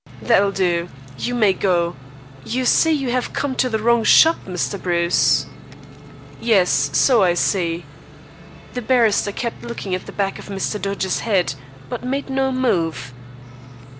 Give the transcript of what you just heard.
"That will do. You may go. You see you have come to the wrong shop, Mr. Bruce." "Yes, so I see." The barrister kept looking at the back of Mr. Dodge's head, but made no move.